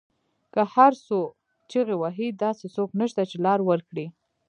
که هر څو چیغې وهي داسې څوک نشته، چې لار ورکړی